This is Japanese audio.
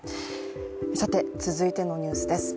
続いてのニュースです。